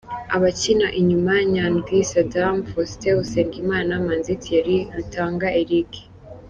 Abakina inyuma: Nyandwi Saddam, Faustin Usengimana, Manzi Thierry, Rutanga Eric.